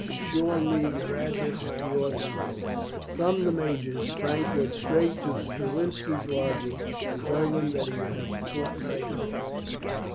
Be sure and leave your address at the orderly room." From the major's Frank went straight to Strelinski's lodging, and told him that he would have a fortnight's holiday.